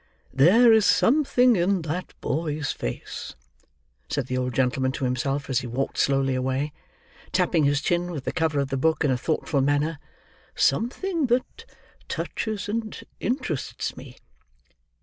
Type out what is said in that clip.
"There is something in that boy's face," said the old gentleman to himself as he walked slowly away, tapping his chin with the cover of the book, in a thoughtful manner; "something that touches and interests me.